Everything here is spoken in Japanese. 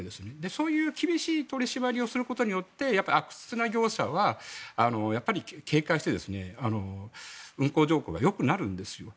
そういう厳しい取り締まりをすることで悪質な業者は警戒して運行状況がよくなるんですよ。